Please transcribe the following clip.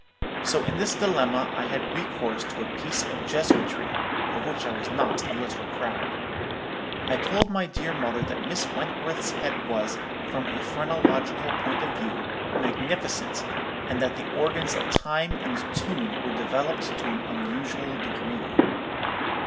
So, in this dilemma, I had recourse to a piece of jesuitry, of which I was not a little proud. I told my dear mother that Miss Wentworth's head was, from a phrenological point of view, magnificent, and that the organs of time and tune were developed to an unusual degree.